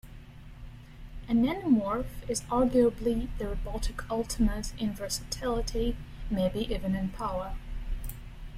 A nanomorph is arguably the robotic ultimate in versatility, maybe even in power.